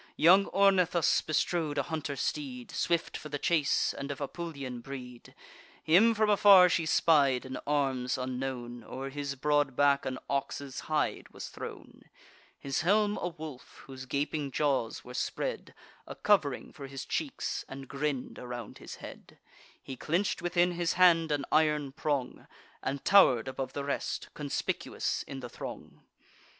Young Ornithus bestrode a hunter steed, Swift for the chase, and of Apulian breed. Him from afar she spied, in arms unknown: O'er his broad back an ox's hide was thrown; His helm a wolf, whose gaping jaws were spread A cov'ring for his cheeks, and grinn'd around his head, He clench'd within his hand an iron prong, And tower'd above the rest, conspicuous in the throng.